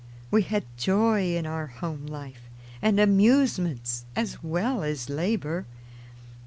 We had joy in our home life, and amusements as well as labor.